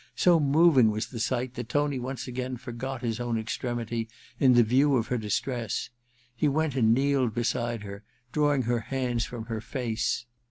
So moving was the sight that Tony once again forgot his own extremity in the view of her distress. He went and kneeled beside her, drawing her hands from her face.